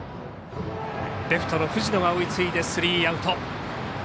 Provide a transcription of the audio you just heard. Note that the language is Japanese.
レフトの藤野が追いついてスリーアウト。